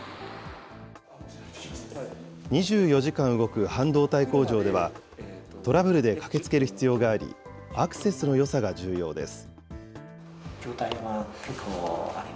２４時間動く半導体工場では、トラブルで駆けつける必要があり、アクセスのよさが重要です。